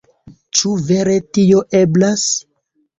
Ĉu vere tio eblas?